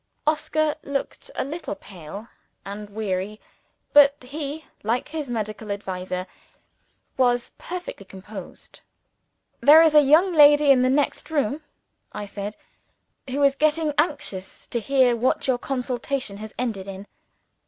Oscar looked a little pale and weary but he, like his medical adviser, was perfectly composed. "There is a young lady in the next room," I said, "who is getting anxious to hear what your consultation has ended in."